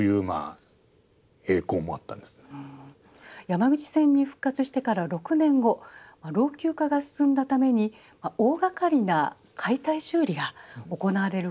山口線に復活してから６年後老朽化が進んだために大がかりな解体修理が行われることになったんですね。